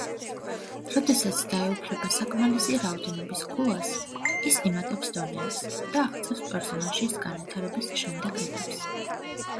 როდესაც დაეუფლება საკმარისი რაოდენობის ქულას, ის იმატებს დონეებს და აღწევს პერსონაჟის განვითარების შემდეგ ეტაპს.